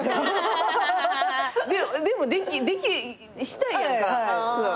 でもしたいやんか。